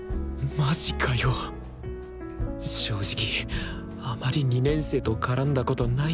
正直あまり２年生と絡んだことないんだよな。